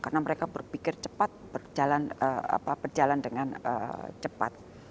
karena mereka berpikir cepat berjalan dengan cepat